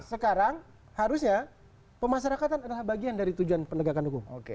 sekarang harusnya pemasarakatan adalah bagian dari tujuan penegakan hukum